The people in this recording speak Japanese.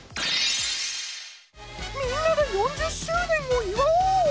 みんなで４０周年を祝おう！